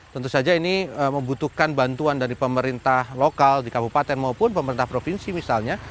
tentu saja ini membutuhkan bantuan dari pemerintah lokal di kabupaten maupun pemerintah provinsi misalnya